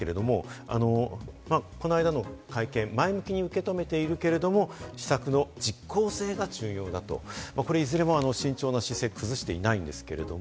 そしてコーセーですけれども、この間の会見、前向きに受け止めているけれども、施策の実効性が重要だと、いずれも慎重な姿勢を崩していないんですけれども、